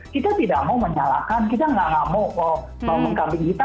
kita tidak mau menyalahkan kita nggak mau mengkamping kita